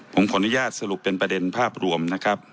ผมขออนุญาตสรุปเป็นประเด็นภาพรวมนะครับ